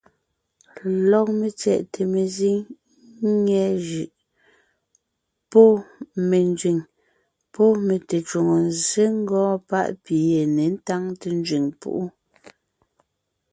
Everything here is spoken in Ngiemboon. Lɔg metyɛʼte mezíŋ nyɛ̀ɛ jʉʼ, pɔ́ me nzẅìŋ, pɔ́ me tecwòŋo nzsé ngɔɔn páʼ pi yé ně táŋte nzẅìŋ púʼu.